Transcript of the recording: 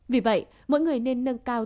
vì vậy mỗi người nên nâng cao